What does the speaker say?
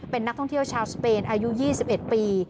เป็นนักท่องเที่ยวชาวสเปนอายุ๒๑ปี